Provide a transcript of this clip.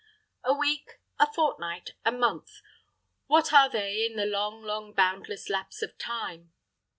A week, a fortnight, a month; what are they in the long, long, boundless lapse of time?